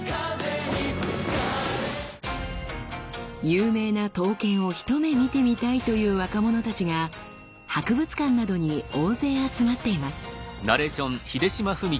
有名な刀剣を一目見てみたいという若者たちが博物館などに大勢集まっています。